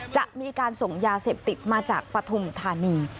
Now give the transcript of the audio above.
จะมีการส่งยาเสพติดมาจากปฐุมธานี